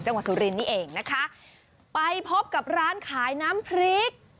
สุรินนี่เองนะคะไปพบกับร้านขายน้ำพริก